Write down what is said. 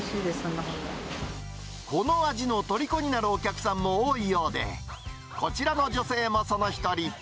この味のとりこになるお客さんも多いようで、こちらの女性もその一人。